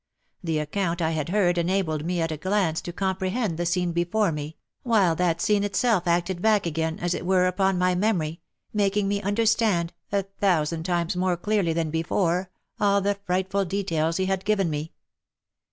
The account I had heard enabled me at a glance to comprehend the scene before me, while that scene itself acted back again, as it were, upon my memory, making me understand, a thousand times more clearly than before, all the frightful details he had given me.